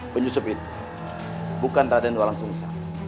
penyusup itu bukan raden walangsungsar